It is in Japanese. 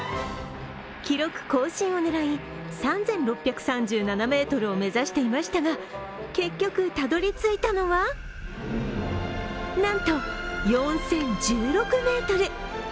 記録更新を狙い、３６３７ｍを目指していましたが、結局、たどり着いたのはなんと４０１７ｍ。